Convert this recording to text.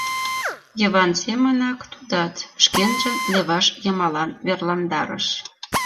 Йыван семынак, тудат шкенжын леваш йымалан верландарыш.